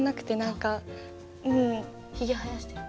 ひげ生やしてる？